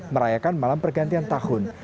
merayakan malam pergantian tahun